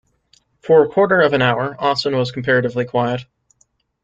For a quarter of an hour Austin was comparatively quiet.